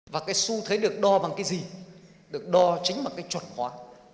và cái xu thế được đo bằng cái gì được đo chính bằng cái chuẩn hóa